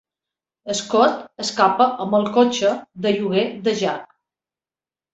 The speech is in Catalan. Scott escapa amb el cotxe de lloguer de Jack.